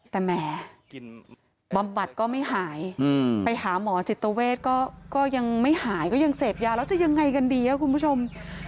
แต่แหมบำบัดก็ไม่หายไปหาหมอจิตเวทก็ยังไม่หายก็ยังเสพยาแล้วจะยังไงกันดีครับคุณผู้ชม